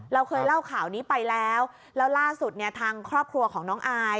เราเคยเล่าข่าวนี้ไปแล้วแล้วล่าสุดเนี่ยทางครอบครัวของน้องอาย